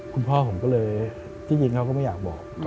คุณพ่อผมก็เลยที่จริงเขาก็ไม่อยากบอก